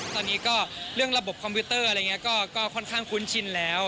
ตอนนี้ก็เรื่องระบบคอมพิวเตอร์อะไรอย่างนี้ก็ค่อนข้างคุ้นชินแล้ว